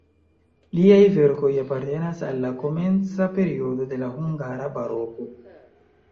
Liaj verkoj apartenas al la komenca periodo de la hungara baroko.